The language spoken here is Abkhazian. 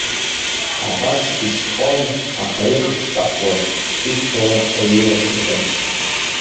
Абасгьы сҳәон, аха иҟасҵахуаз, сишьҭалан аҩеира саҿын.